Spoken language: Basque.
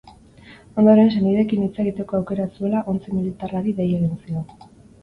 Ondoren, senideekin hitz egiteko aukera zuela ontzi militarrari dei egin zion.